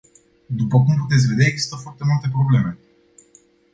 După cum puteți vedea, există foarte multe probleme.